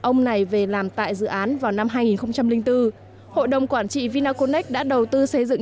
ông này về làm tại dự án vào năm hai nghìn bốn hội đồng quản trị vinaconex đã đầu tư xây dựng